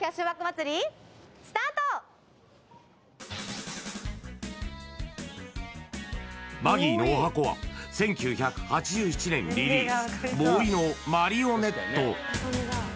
あなたはバギーの十八番は１９８７年リリース